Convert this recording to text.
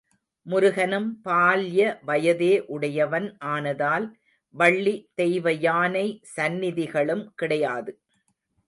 முருகனும் பால்ய வயதே உடையவன் ஆனதால் வள்ளி தெய்வயானை சந்நிதிகளும் கிடையாது.